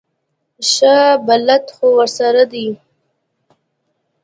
ښه بلد خو ورسره دی.